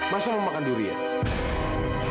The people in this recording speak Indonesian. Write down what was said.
masa mau makan durian